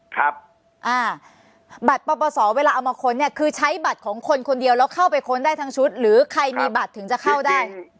ครับอ่าบัตรปปศเวลาเอามาค้นเนี่ยคือใช้บัตรของคนคนเดียวแล้วเข้าไปค้นได้ทั้งชุดหรือใครมีบัตรถึงจะเข้าได้